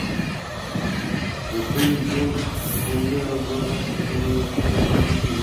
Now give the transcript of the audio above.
butun yoʻl boʻyi zoʻrgʻa sudralgandek tuyuldi.